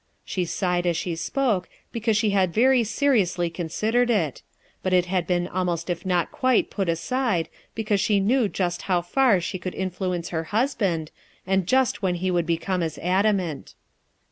She sighed as she spoke, because she had very seriously con sidered it; but it had been almost if not quite put aside, because she knew just how far she FOUR MOTHERS AT CHAUTAUQUA 49 could influence her husband, and just when he would become as adamant.